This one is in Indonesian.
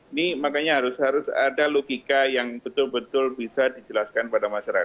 ini makanya harus ada logika yang betul betul bisa dijelaskan pada masyarakat